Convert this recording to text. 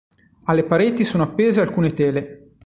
Alle pareti sono appese alcune tele.